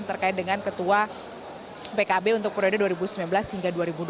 terkait dengan ketua pkb untuk periode dua ribu sembilan belas hingga dua ribu dua puluh